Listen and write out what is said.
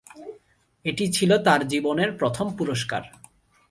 এটি ছিল তার জীবনের প্রথম পুরস্কার।